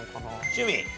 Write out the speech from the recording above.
趣味。